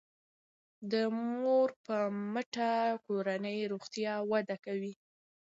د مور په مټه کورنی روغتیا وده کوي.